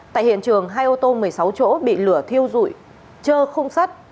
tại hiện trường hai ô tô một mươi sáu chỗ bị lửa thiêu rụi chơ không sắt